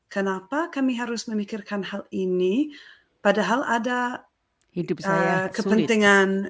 kenapa kami harus memikirkan hal ini padahal ada kepentingan